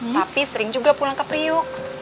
tapi sering juga pulang ke priuk